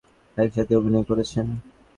Peter O'Toole এবং Noah Jupe একসাথে অভিনয় করেছেন।